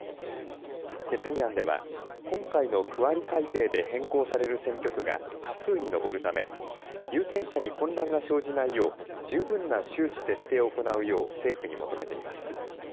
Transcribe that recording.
決議案では今回の区割り改定で変更される小選挙区が多数に上るため有権者に混乱が生じないよう十分な周知徹底を行うよう政府に求めています。